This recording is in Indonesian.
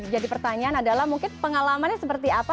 jadi pertanyaan adalah mungkin pengalamannya seperti apa